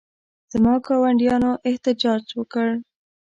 زما ګاونډیانو احتجاج وکړ.